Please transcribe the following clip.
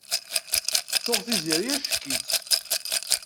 Tuɣ Tiziri ack-itt.